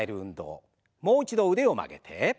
もう一度腕を曲げて。